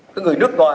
các người nước ngoài